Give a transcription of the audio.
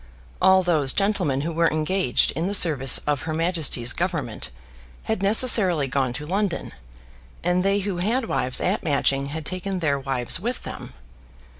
All those gentlemen who were engaged in the service of Her Majesty's Government had necessarily gone to London, and they who had wives at Matching had taken their wives with them.